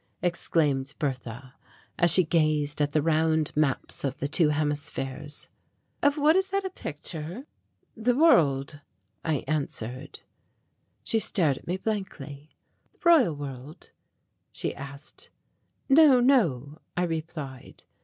exclaimed Bertha, as she gazed at the round maps of the two hemispheres. "Of what is that a picture?" "The world," I answered. She stared at me blankly. "The Royal World?" she asked. "No, no," I replied.